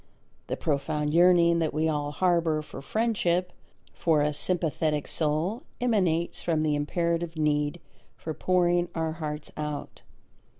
The profound yearning that we all harbour for friendship, for a sympathetic soul, emanates from the imperative need for pouring our hearts out.